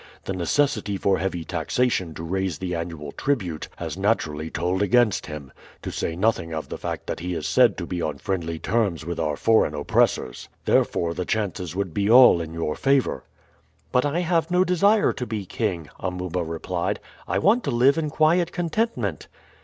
The necessity for heavy taxation to raise the annual tribute has naturally told against him, to say nothing of the fact that he is said to be on friendly terms with our foreign oppressors. Therefore the chances would be all in your favor." "But I have no desire to be king," Amuba replied. "I want to live in quiet contentment."